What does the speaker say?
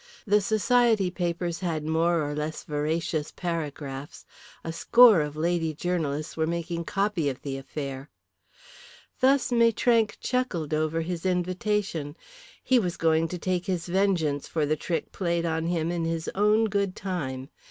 The society papers had more or less veracious paragraphs, a score of lady journalists were making copy of the affair. Thus Maitrank chuckled over his invitation. He was going to take his vengeance for the trick played on him in his own good time.